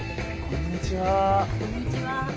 こんにちは。